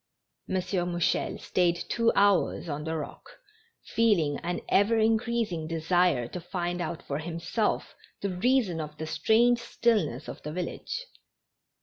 M. Mouchel stayed two hours on the rock, feeling an ever increasing desire to find out for himself the reason of the strange stillness of the village.